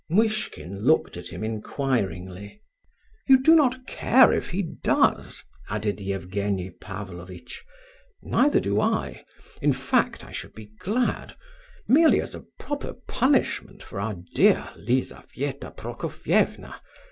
Muishkin looked at him inquiringly. "You do not care if he does?" added Evgenie Pavlovitch. "Neither do I; in fact, I should be glad, merely as a proper punishment for our dear Lizabetha Prokofievna.